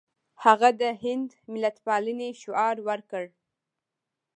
هغه د هند ملتپالنې شعار ورکړ.